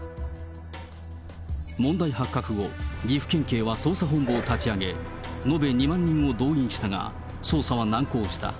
問題発覚後、岐阜県警は捜査本部を立ち上げ、延べ２万人を動員したが、捜査は難航した。